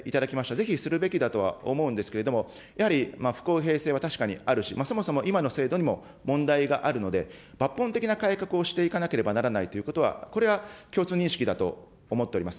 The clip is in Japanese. ぜひするべきだとは思うんですけれども、やはり不公平は確かにあるし、そもそも今の制度にも問題があるので、抜本的な改革をしていかなければならないということは、これは共通認識だと思っております。